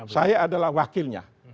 saya adalah wakilnya